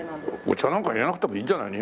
お茶なんか入れなくてもいいんじゃない？